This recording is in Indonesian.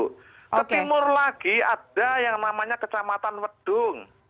ketimur lagi ada yang namanya kecamatan wedung